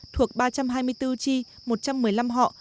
thuộc ba trăm hai mươi bốn chi một trăm một mươi năm họ